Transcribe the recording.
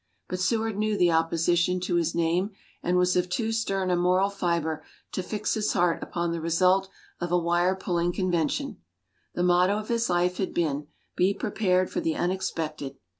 But Seward knew the opposition to his name, and was of too stern a moral fiber to fix his heart upon the result of a wire pulling convention. The motto of his life had been: Be prepared for the unexpected.